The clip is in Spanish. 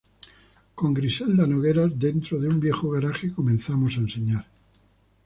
Con Griselda Nogueras, dentro de un viejo garaje, comenzamos a enseñar.